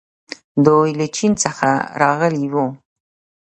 دوی له چین څخه راغلي وو